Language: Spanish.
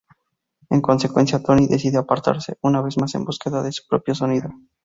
En consecuencia, Tony decide apartarse, una vez más en búsqueda de su propio sonido.